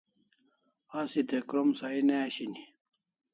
Asi te krom sahi ne ashini